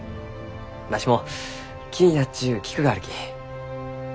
わしも気になっちゅう菊があるき。